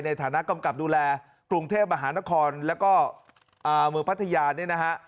ในฐานะกำกับดูแลกรุงเทพมหานครแล้วก็เมืองพัทยาเนี่ยนะฮะ